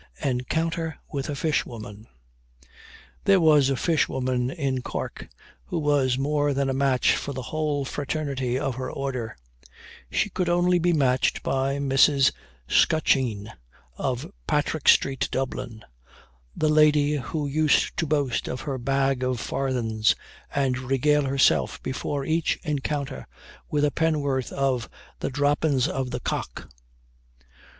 ENCOUNTER WITH A FISHWOMAN. There was a fishwoman in Cork who was more than a match for the whole fraternity of her order. She could only be matched by Mrs. Scutcheen, of Patrick street, Dublin the lady who used to boast of her "bag of farthin's," and regale herself before each encounter with a pennorth of the "droppin's o' the cock."